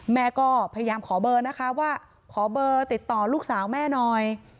แม่ก็พยายามขอเบอร์นะคะว่าขอเบอร์ติดต่อลูกสาวแม่หน่อย